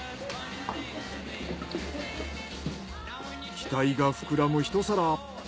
期待が膨らむ１皿。